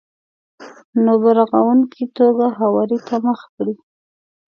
نو په رغونکې توګه هواري ته مخه کړئ.